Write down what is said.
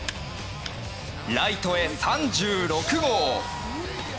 ライトへ３６号！